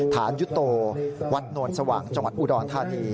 ฐานยุโตวัดโนนสว่างจังหวัดอุดรธานี